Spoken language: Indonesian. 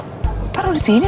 playstation dua di waktunya